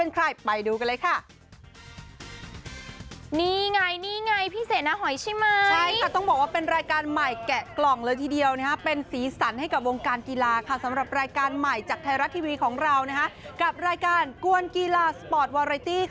กับรายการกวนกีฬาสปอร์ตวอร์ไรตี้